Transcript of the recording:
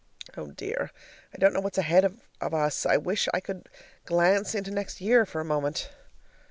Oh dear, I don't know what's ahead of us! I wish I could glance into next year for a moment.